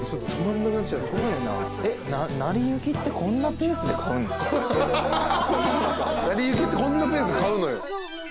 『なりゆき』ってこんなペースで買うのよ。